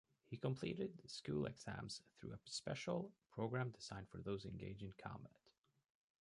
He completed school exams through a special program designed for those engaged in combat.